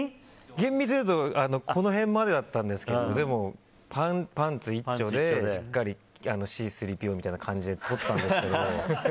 厳密に言うとこの辺までだったんですけどでも、パンツ１丁でしっかりＣ‐３ＰＯみたいな感じで撮ったんですけど。